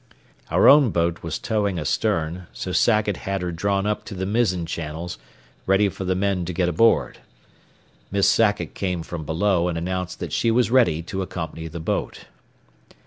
Our own boat was towing astern, so Sackett had her drawn up to the mizzen channels, ready for the men to get aboard. Miss Sackett came from below and announced that she was ready to accompany the boat.